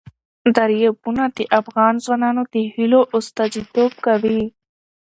دریابونه د افغان ځوانانو د هیلو استازیتوب کوي.